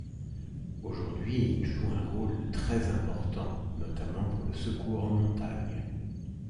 Aujourd'hui il joue un rôle très important notamment pour le secours en montagne.